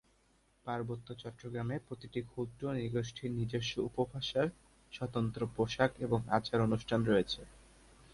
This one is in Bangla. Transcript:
পার্বত্য চট্টগ্রামে প্রতিটি ক্ষুদ্র নৃগোষ্ঠীর নিজস্ব উপভাষা, স্বতন্ত্র পোশাক এবং আচার অনুষ্ঠান রয়েছে।